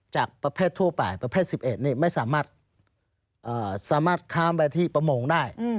จากประเภททั่วไปประเภท๑๑นี่ไม่สามารถค้ามไปที่ประมงได้